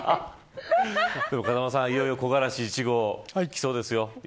風間さん、いよいよ木枯らし１号、きそうですよ。